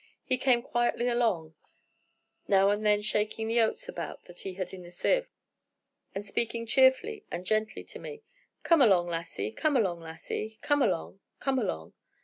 He came quietly along, now and then shaking the oats about that he had in the sieve, and speaking cheerfully and gently to me: 'Come along, lassie, come along, lassie; come along, come along.'